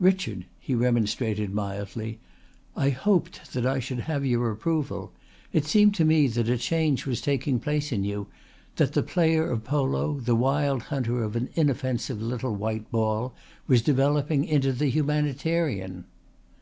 "Richard," he remonstrated mildly, "I hoped that I should have had your approval. It seemed to me that a change was taking place in you, that the player of polo, the wild hunter of an inoffensive little white ball, was developing into the humanitarian."